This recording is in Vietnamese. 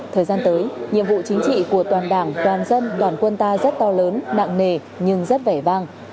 thời gian tới nhiệm vụ chính trị của toàn đảng toàn dân toàn quân ta rất to lớn nặng nề nhưng rất vẻ vang